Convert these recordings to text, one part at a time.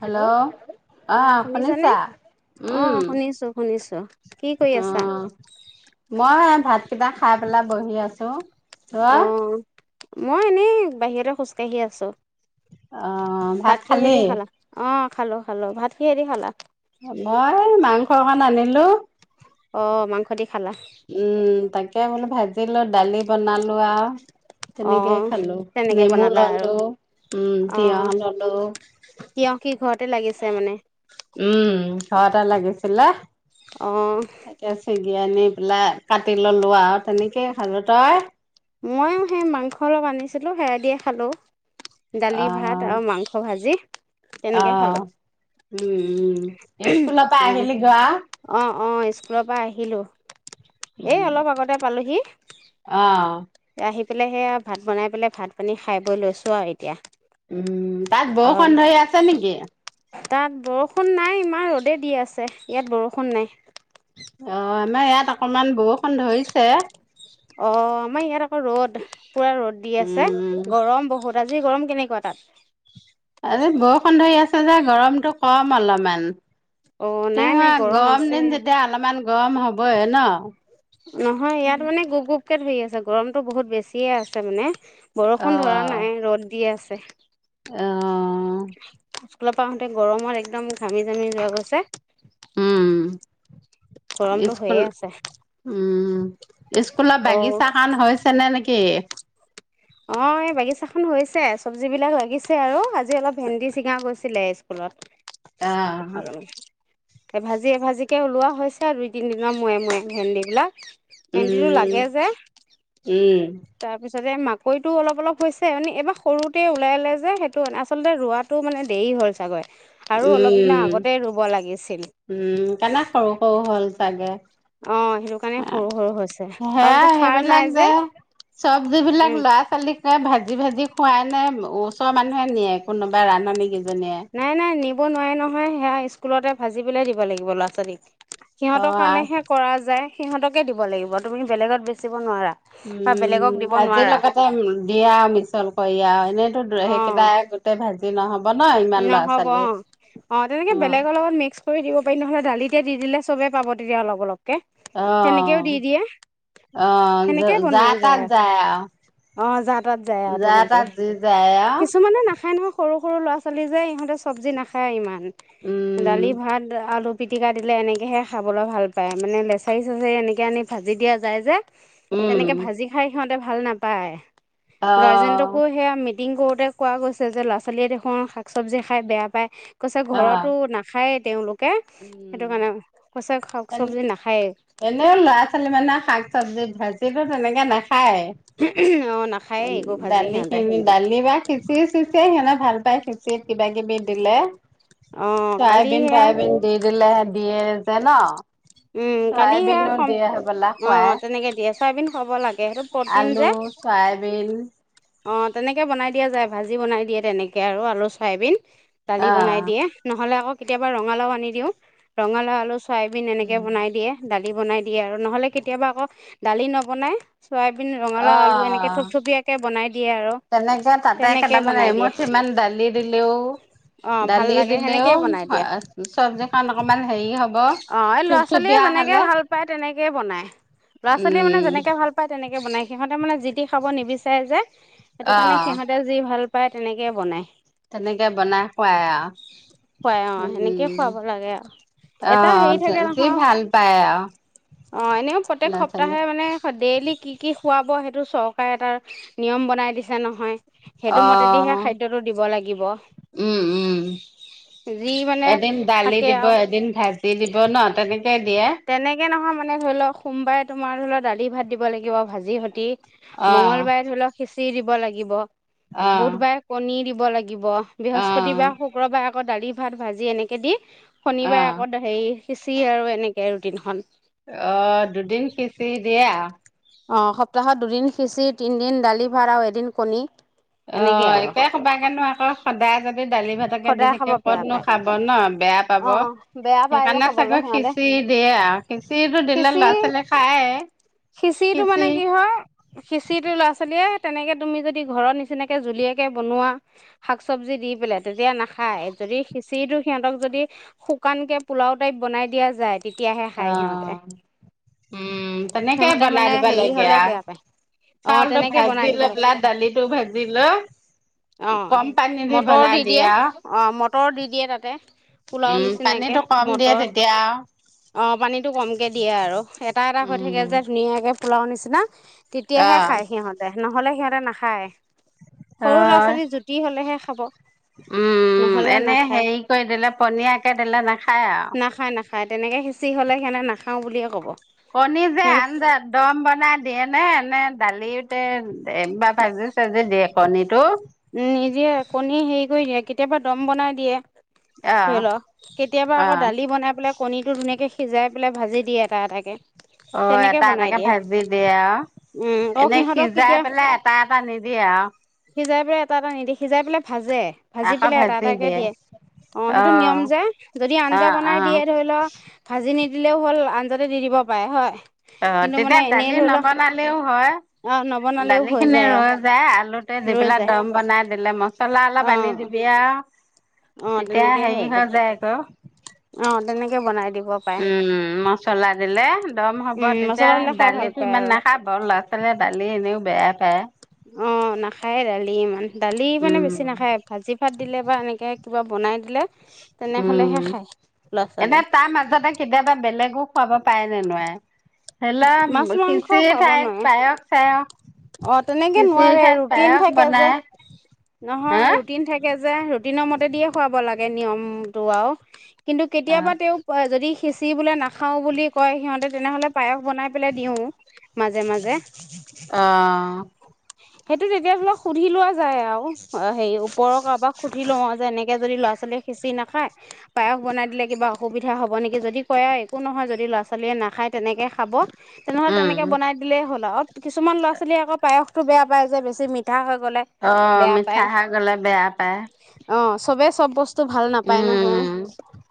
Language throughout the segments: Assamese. হেল্ল', অ শুনিছা অ উম শুনিছো শুনিছো কি কৰি অ আছা মই ভাত? কিবা খাই পেলাই বহি আছো। হা। অ মই এনেই বাহিৰতে খোজকাাঢ়ি আছো। অ, ভাত কিহেদি খালী? খালা অ খালো খালো, ভাত কি হেৰি খালা? মই মাংস অকণ আনিলোঁ। অ, মাংস দি খালা। উম, তাকে বোলো ভাজিলো দালি বনালো আৰু। অ তেনেকেই খালো, তেনেকে নেমু বনালা ললো আৰু উম অ তিয়হ ললো। তিয়হ কি ঘৰতে লাগিছে মানে উম। ঘৰতে লাগিছিলে । অ তাকে চিগি আনি। পেলাই কাটি ললো আৰু তেনেকেই সাজো তই মইও সেই মাংস অলপ আনিছিলো হেৰাই দিয়ে খালো অ দালি ভাত আৰু মাংস ভাজি তেনেকে অ খালোঁ । উম উম স্কুলৰ পৰা আহিলি গে আও অঁ স্কুলৰ পৰা আহিলোঁ এ অলপ আগতে পালোহি অ', আহি পেলাই সেয়া ভাত বনাই পেলাই ভাত পানী খাই বৈ লৈছোঁ আৰু এতিয়া । উম তাত বৰষুণ ধেই আছে নেকি তাত বৰষুণ নাই ইমান ৰ'দে দি আছে ইয়াত বৰষুণ নাই অ আমাৰ ইয়াত অকমান বৰষুণ ধৰিছে। অ আমাৰ ইয়াত আক । ৰ'দ পুৰা ৰ'দ দি আছে উম, গৰম বহুত আ আজি গৰম কেনেকুৱা তাত আজি বৰষুণ ধৰি আছে যে গৰমতটো কম অলপমান অ তে নাই মই নাই গৰম আছে দিম ইয়াত যেতিয়া অলপমান গৰম হবে ন ক ধৰি আছে গৰমতটো বহুত বেছিয়ে আছে মানে বৰষুণ ধৰা অ', নাই ৰ'দ দি আছে ছ অ', [unintelligible] [inaudible] ফল পৰা আহওঁঁতে গৰমত একদম চামি চামি যোৱা গৈছে উম, গৰমটো স্কুল হৈয়ে আছে উম স্কুলৰ অ বাগিছা খান হৈছে নে নেকি অ এই বাগিছাখন হৈছে চবজি বিলাক লাগিছে আৰু আজি অলপ ভেন্দি চিঙা গৈছিলে স্কুলত আহ এ ভাজি এ ভাজিকে ওলোৱা হৈছে আৰু দুই তিনিদিনৰ মূয়ে মূয়ে ভেন্দি বিলাক ভেন্দিটো উম, লাগে যে উম, তাৰপিছত তাৰছতে মাকৈটো অলপ অলপ হৈছে মানে এইবাৰ সৰুতে ওলাই ওলাই যে সেইটো মানে আচলতে ৰোৱাটো মানে দেৰি হ'ল চাগৈ আৰু অলপ দিনৰ উম। আগতেই ৰুব লাগিছিল উম কেনে সৰু সৰু হ'ল চাগ এ অ সেইটো কাৰণে সৰু সৰু হৈছে সেয়া আৰু তাতে সাৰ সেইবিলাক নাই যে চব যিবিলাক উম ল'ৰা । ছোৱালীকে ভাজি ভাজি খুৱাই নে ওচৰৰ মানুহে নিয়ে কোনোবা ৰান্ধনী ক নাই নাই নিব নোৱাৰে নহয় সেয়া স্কুলতে ভাজি পেলাই দিব লাগিব ল'ৰা ছোৱালীক সিহঁতৰ অ' কাৰণেহে কৰা যায় সিহঁতকে দিব লাগিব তুমি বেলেগত বেচিব নোৱাৰা বা বেলেগক উম দিব ভাজিৰ নোৱাৰা লগতে দিয়া আৰু মিছল কৰি আৰু এনেইতো অ সেইকেইটাই গোটেই ভাজি তে নহ'ব ন ইমান ল'ৰা নহব অ ছোৱালী অ তেনেকে অ' বেলেগৰ লগত মিক্স চব দিব পাৰি নহয় দালিতে দি দিলে চবেই পাব তেতিয়া অলপ অলপ আহ আহ সেনেকেই আহ বনাই যাতাত আৰু যায় আৱ অ যা তাত যায় আৰু তেনেকে যায় আৰু কিছুমানে নাখায় নহয় সৰু সৰু ল'ৰা ছোৱালী যে ইহঁতে চব্জি নাখায় ইমান উম, দালি ভাত আলু পিটিকা দিলে এনেকেহে খাবলৈ ভাল পায় মানে লেচাৰী চেচাৰী এনেকৈ আনি ভাজি দিয়া যায় যে উম, তেনেকে ভাজি খাই সিহঁত এ ভাল নাপ পায় গাৰ্জেনটকো অ' সেয়া ম টিং কৰোতে কোৱা গৈছে যে ল'ৰা ছোৱালীয়ে দেখোন শাক চব্জি খাই বেয়া পায় কৈছে ঘৰতো অ' নেখায় তেওঁলোক উম শাক চবজি নাখায়েই এনেও ল'ৰা ছোৱালী মানে শাক চবজি ভাজিলো তেনেকে নেখায় অঁ নাখায়েই খাই একো ভাজি দালি সিহঁতে খিনি দালি বা খিচি চিচিৰি সেক ভাল পাই খিচিৰিত কিবা পিটিকি দিলে অঁ কালি চয়াবিন সেয়া ট্ৰাইবিন দিলে হে দিয়ে যে ন উম কালি সেয়া চয়াবিনো দিয়ে হবলা অ খুৱাই। তেনেকে দিয়ে চয়াবিন খোব লাগে সেইটো প্ৰটিন আলু যে চয়াবিন অ তেনেকে বনাই দিয়া যায় ভাজি বনাই দিয়ে তেনেকে আৰু আলু চয়াবিন দালি বনাই আহ দিয়ে নহলে আক কেতিয়াবা ৰঙালাও আনি দিওঁ ৰঙালাও আলু চয়াবি সিয়ে বনাই দিয়ে দালি দালি বনাই দিয়ে আৰু নহ'লে কেতিয়াবা আকৌ দালি নবনায় চয়াবিন অ ৰঙালাও আলু এনেকে থুপথুপিয়াকে বনাই । তেনেকে তাতে কেইটামান দিয়ে এমুঠ ইমান দালি দিলেও অ', ভাল দালি লাগে দিলেও সেনেকেই বনাই দিয়ে চবজিখন অকমান হেৰি হ অ এই ল'ৰা ছোৱালীয়ে যেনেকে ভাল পায় তেনেকে বনাই ল'ৰা ছোৱালীয়ে মানে উম যেনেকে ভাল পায় তেনেকে বনায় সিহঁতে মানে যি সি খাব নিবিচাৰে যে সেইটো কাৰণে অ সিহঁতে যি ভাল । প্ৰায় তেনেকে বনাই । তেনেকে বনাই খুৱাই আও খুৱাই অ উম উম সেনেকে উম খুৱাব লাগে আৰু । এটা হেৰি থাকে নহয় অ এনেও প্ৰত্যেক ল'ৰা ছোৱালী সপ্তাহে মানে দে কালি কি কি খুৱাব সেইটো চৰকাৰে এটা নিয়ম বনাই দিছে নহয় সেইটো অ মতেদিহে খাদ্যটো দিব লাগিব উম উম যি মানে এদিন দালি থাকে দিব আৰু এদিন ভাজি টি দিব ন [unintelligible] তেনেকে নহয় মনে মানে ধৰি লওক সোমবাই তোমাৰ ধৰি লওক দালি ভাত দিব লাগিব ভাজি সতি । অ মঙ্লবাৰে ধৰি লওক খিচ্ দি দিব লাগিব অ বোথবায়ে কণী দিব । [unintelligible] লাগিব অ বৃহস্পতিবাৰ শুক্ৰবায়েক আকৌ দালি ভাত ভাজি এনেকৈ দি অ শনিবাৰে আকৌ দ হেৰি খিচিৰি আৰু এনিক । সেই ৰুটিনখন অঁ দুদিন সিঁচি দিয়া অঁ সপ্তাহত দুদিন সিঁচি তিনদিন দালি ভাত আৰু এদিন কণী এনেকেই অঁ আৰু এতিয়া ক'ব কানো আকৌ সদায় যাতে দালি ভাতাকে দি সদায় খাব থাকে বেয়া কতনো পায় খাব ন বেয়া পাব অঁ বেয়া পাই যে সেইকাৰণে খাবলৈ চাগৈ সিহতে খিচিৰি দিয়ে আৰু খিচিৰিটো দিলে খিচি ল'ৰা ছোৱালীয়ে খায়ে খিচিটো মানে খিচিৰি কি হয় খিঁচিটো ল'ৰা ছোৱালী দিয়ে তেনেকে তুমি যদি ঘৰত নিচিনাকে জুলিয়াকে বনোৱা শাক চবজি দি পেলাই যদি নাখায় যদি চিটো সিহঁতক। যদি শুকানকে পোলাও টাইপ বনাই দিয়া যায় তেতিয়াহে খায় সিহঁতে অঁ উম তেনেকে সিহঁতে বনাই মানে দিব হেৰি লাগে হ'লে আৰু বেয়া পায় অঁ চাউলটো তেনেকে ভাজ বনাই দিব লো লাগে পা দালিটো ভাজিলো অ', কম পানী দি বনাই দিয়ে আৰু। অ', মটৰ দি দিয়ে তাতে পোলাও নিচিনাকে মটৰ আও অঁ পানীতটো কমকে দিয়ে আৰু এটা এটা হৈ থাকে উম, যে ধুনীয়াকে। পোলাওঁ নিচিনা তেতিয়াহে অ'। খাই সিহঁতে নহ'লে সিহঁতে ৰে নাখায় সৰু ল'ৰা হয়। ছোৱালী জুতি হলেহে খ'ব উম এনে হেৰি কৰি দিলে পনীয়াকে দিলে নাখায় আও। নাখায় নাখায় তেনেকে সিঁচি হলে সেন নাখায় খাওঁ বুলিয়ে ক'ব। কণী যে সিহঁতে আঞ্জা দম বনাই। দিয়ে নে এনে দালিতে ভাজি চাজি দিয়ে কণীতটো উ নিজে কণী হেৰি কৰি দিয়ে কেতিয়াবা দম বনাই দিয়ে। অ', ধৰি ল কেতিয়াবা আকৌ অ', দালি বনাই পেলাই কণীটো ধুনীয়াকে। সিজাই পেলাই ভাজি দিয়ে এটা এটাকে। অঁ তেনেকে এটা বনাই এটাকে দিয়ে ভাজি দিয়ে আৰু উম আকৌ এনে সিহঁতক সিজাই কেতিয়া পেলাই এটা এটা নিদিয়ে আৰু। সিজাই এটা নিদেখিজাই পেলাই। ভাজে ভাজি পেলাই এটা এটাকে দিয়ে অ সেইটো অহ নিয়ম যে যদি আঞ্জা অহ বনাই অহ দিয়ে ধৰি লওঁ ভাজি নিদি। দিলেও হ'ল আঞ্জাতে দি দিব পাৰে হয়। অঁ কিন্তু মানে তেতিয়া এনেই দালি ধৰি লও নবনালেওঁ হয় অ নবনালেও দালি হৈ খিনি যায় আৰু ৰৈ যায় আলুতে দি ৰৈ পেলাই যায় দম বনাই ম চলা আলা অ পানি দিবি য়া অ তেতিয়া তেনেকেই হৈ হেৰি হয় যায় আক অ তেনেকে বনাই দিম। উম মচলা দিলে দম হ'ব উম তেতিয়া মছলা দিলে খাই ভাল দালিটো পায় ইমান আৰু নাখাব ল'ৰা ছোৱালীয়ে দালি এনেও বেয়া। হা অ নাখায়ে দালি ইমান। দালি মানে উম বেছি নাখায় ভাজি ভাত দিলে বা এনেকে। কিবা বনাই দিলে। তেনেহলেহে উম খায় ল'ৰা এনে ছোৱালীয়ে তা মাজতে কেতিয়াবা বেলেগো খুৱাব পায় নে নোৱায় মাছ মাংস খুৱাব নোৱাৰে পায়স চায়স অ তেনেকে খিচিৰি নোৱাৰে ঠাইত ৰুটিন পায়স থাকে যে বনাই নহয় হা ৰুটিন থাকে যে ৰুটিনৰ মতে দিয়ে খুৱাব লাগে নিয়মটো আৱ কিন্তু অ কেতিয়াবা তেওঁ যদি খিচিৰি বোলে নাখাওঁ বুলি কয় সিহঁতে তেনেহ'লে পায়স বনাই পেলাই দিওঁ মাজে মাজে সেইটো তেতিয়া ধৰি লক সুধি লোৱা যায় আৱ অ হেৰি ওপৰ কাৰোবাক সুধি লওঁ যে এনেকে যদি ল'ৰা ছোৱালীয়ে খিচিৰি নাখায় পায়স বনাই দিলে কিবা অসুবিধা হ'ব নেকি যদি কয় আৱ একো নহয় যদি ল'ৰা ছোৱালীয়ে নেখায় তেনেকে খাব তেনেহ'লে তেনেকে উম বনাই দিলেই হ'ল আৱ কিছুমান ল'ৰা ছোৱালীয়ে আক পায়স টো বেয়া পায় যে বেছি মিঠা গ'লে অ বেয়া মিঠা পায় খাই গ'লে বেয়া পায় অ চবে চব বস্তু ভাল নাপায় নহয় উম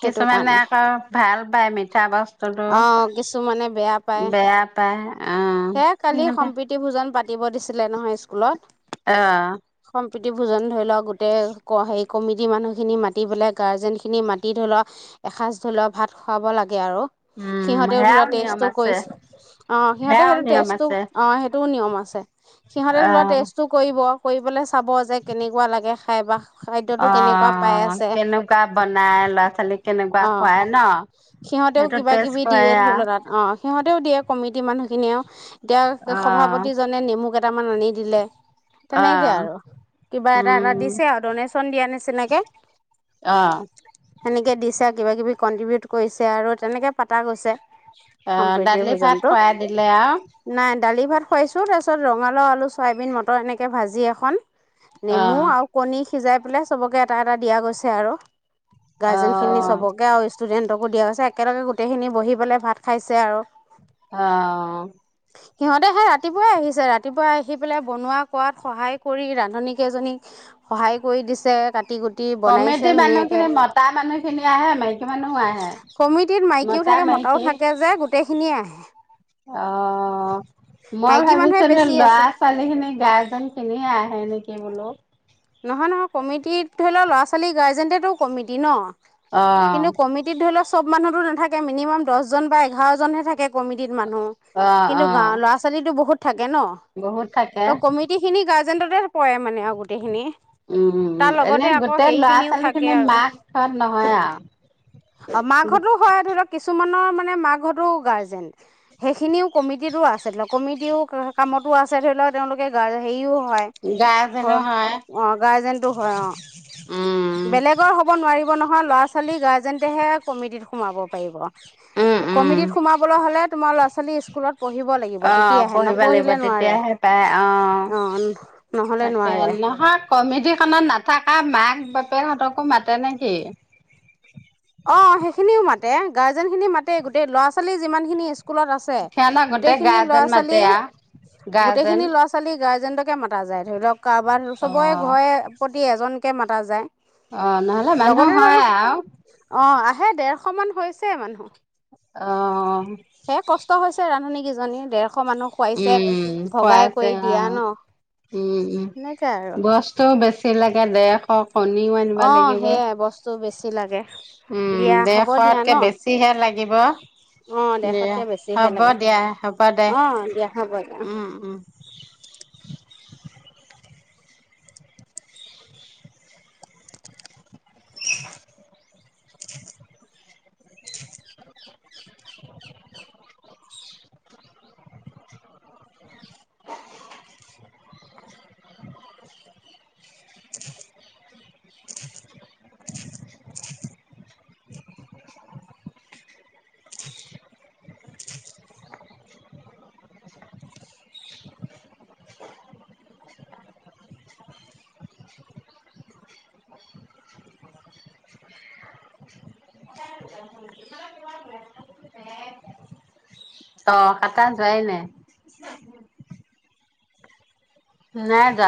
সেইটো কিছুমানে কাৰণে আকৌ ভাল পায় মিঠা বস্তুটো অ কিছুমানে বেয়া পায় বেয়া পায় অ সেয়া কালি সিহঁতে সম্প্ৰীতি ভোজন পাতি দিব দিছিলে নহয় স্কুলত আহ প্ৰিতি ভোজন ধৰি লওক গোটেই হেৰি কমিটিৰ মানুহখিনি মাতি পেলাই গাৰ্জেনখিনি মাতি ধৰি লওক এসাঁজ ধৰি লওক ভাত খুৱাব লাগে আৰু উম সিহঁত সিহঁতে সেয়াও ধৰা নিয়ম টেষ্টো আছে কৰিছে অ সিহঁতে সেয়াও সেইটো নিয়ম টেষ্টো আছে অ সেইটোও নিয়ম আছে সিহঁতে অ ধৰি লোৱা টেষ্টো কৰিব কৰিবলে চাব যে কেনেকুৱা লাগে খাই বা খাদ্যটো অ কেনেকুৱা পাই আছে কেনেকুৱা বনাই ল'ৰা ছোৱালীক কেনেকুৱা অঁ খুৱাই ন সিহঁতেও সেইটো কিবা কিবি টেষ্ট কৰে দিয়ে ধৰি আৱ লওক তাত অঁ সিহঁতেও দিয়ে কমিটি মানুহখিনিয়ে ও এতিয়া অ সভাপতিজনে নেমু কাটি কেইটামান আনি দিলে। অ তেনেকে আৰু কিবা এটা এটা উম দিছে আৰু ডনেচন দিয়া নিচিনাকে অ সেনেকে দি কিবা কিবি কন্ট্ৰিবিউট কৰিছে আৰু তেনেকে পাতা গৈছে আহ সম্প্ৰীতিৰ দালি ভাত ভোজনটো খুৱাই দিলে আৱ নাই দালি ভাত খুৱাইছোঁ তাৰপিছত ৰঙালাও আলু চয়াবিন মটৰ এনেকে ভাজি এখন। অ নেমু আও কনি সিজাই পেলাই চবকে এটা এটা দিয়া গৈছে আৰু গাৰজন খিনি অ চবকে আৰু ষ্টুডেণ্ট তকো দিয়া হৈছে একেলগে গোটেইখিনি বহি পেলাই ভাত খাইছে আৰু অ সিহঁতে সে ৰাতিপুৱাই আহিছে ৰাতিপুৱাই আহি পেলাই বনোৱা কোৱাত সহায় কৰি ৰান্ধনী কেইজনীক সহায় কৰি দিছে কাটি কুটি। বনাইছে কমেটি মানুহ ধুনীয়াকে খিনি মতা মানুহ খিনি আহে মাইকী আহে কমিটিত মতা মাইকী ধুনীয়া আহে । অ মই মাইকী মানুহে ভাবিছিলো বেছি ল'ৰা আছে ছোৱালী খিনি গাৰ্জেন খিনিয়ে আহে নেকি। সি বোলো নহয় নহয় কমিটিত ধৰি লওক ল'ৰা ছোৱালী গাৰ্জেণ্টতো কমিটি ন। অ', কিন্তু কমিটিত ধৰি লও চব মানুহতো নাথাকে। মিনিমাম দহজন বা এঘাৰজনহে থাকে কমিটীত অ', মানুহ কিন্তু অ', গাওৰ ল'ৰা ছোৱালীতো বহুত থাকে ন বহুত থাকে। ত কমিটি খিনি গা এজেণ্টতে পৰে মানে আৰু গোটেইখিনি। উম তাৰ লগতে এনে আকৌ গোটেই ল'ৰা হেৰিখিনিও ছোৱালী থাকে খিনি আৰু মাকখনত নহয় আৰু অ মাকহতো হয় ধৰিক কিছুমান ৰ মানে মাকহতো গাৰ্জেন সেইখিনিও কমিটিটো আছে ধ কমিটিও কামতো আছে ধৰি লওক তেওঁলোকে গাৰ হেৰিও গাৰ্জেনো হয়, অ গাৰ্জেনটো হয় অ উম, বেলেগৰ হ'ব নোৱাৰিব। নহয় ল'ৰা ছোৱালী গাৰ্জেন তেহে কমিটিত সোমাব পাৰিব উম, উম। কমিটিত সোমাবলৈ হ'লে তোমাৰ ল'ৰা ছোৱালী ছোৱালী স্কুলত পঢ়িব লাগিব অ তেতিয়াহে পঢ়িব লাগিব নপঢ়িলে নোৱাৰে তেতিয়াহে পাই অ অ নহলে তাকে নোৱাৰে নহয় কমিডিখনত নাথকা মাক বাপ বাপেহতকো মাতে নেকি অ সেইখিনিও মাতে গাৰ্জেন খিনি মাতে গোটেই ল'ৰা ছোৱালী যিমানখিনি স্কুলত আছে সিহঁতক গোটেই খিনি গাৰ্জেন লৰা ছোৱালী মাতে আও গোটেই গাৰ্জেন খিনি ল'ৰা ছোৱালী গাৰ্জেন গাজেন মতা যায় ধৰি লওক কাৰোবাৰ অ চবৰে ঘৰে প্ৰতি এজন একে মতা যায়। অ নহ'লে মানুহ লগতে ধৰি হয় লওক আৰু। অ আহে দেৰশ মান হৈছে মানুহ। হয়। [unintelligible] সে কষ্ট হৈছে ৰান্ধনী। কিজীয়ে দেৰ। এশ মানুহ খুৱাইছে উম ভগাই খুৱাইছে কৰি অ দিয়া ন সনেকে আৰু। ছিল লৈকে ডেৰশ। কণীও আনিব অ লাগিব সেইয়াই বস্তু বেছি লাগে উম দিয়া হ'ব দিয়া দেৰশতকে ন বেছিহে লাগিব। অ দিয়া দেশতকে বেছিহে হ'ব লাগে দিয়া হ'ব দে অ দিয়া। হ'ব দিয়া উম উম। [unintelligible] [unintelligible] [unintelligible] অ কটা যোৱাই ন। নাই যা।